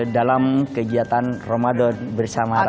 dalam kegiatan ramadan bersama